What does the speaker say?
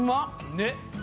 ねっ。